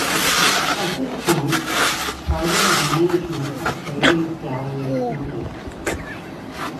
At this point, Gardner's management of Brady's gallery ended.